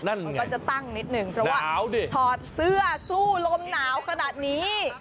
มันก็จะตั้งนิดหนึ่งเพราะว่าถอดเสื้อสู้ลมหนาวขนาดนี้